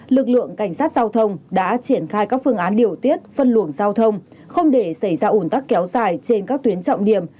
lực lượng cảnh sát giao thông đã triển khai các phương án điều tiết phân luồng giao thông không để xảy ra ủn tắc kéo dài trên các tuyến trọng điểm